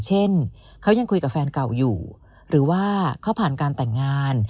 เช่นเขายังคุยกับแฟนเก่าอยู่หรือว่าเขาผ่านการแต่งงาน